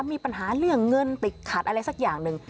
มีปัญหาเรื่องเงินติดขัดอะไรสักอย่างหนึ่ง